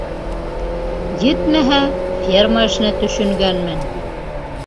Етмәһә, ферма эшенә төшөнгәнмен.